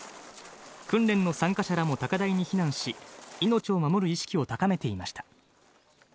訓練の参加者らも高台に避難し、命を守る意識を高めていました。